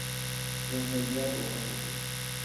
يو ځل بيا کوښښ وکړئ